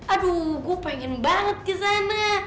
aduh gue pengen banget kesana